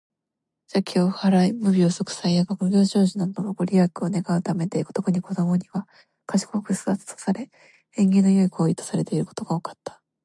邪気を払い、無病息災や学業成就などのご利益を願うためで、特に子どもには「賢く育つ」とされ、縁起の良い行為とされていることが分かった。